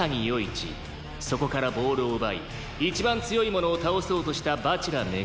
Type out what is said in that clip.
「そこからボールを奪い一番強い者を倒そうとした蜂楽廻」